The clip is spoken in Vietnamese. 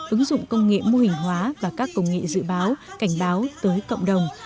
ứng dụng công nghệ mô hình hóa và các công nghệ dự báo cảnh báo tới cộng đồng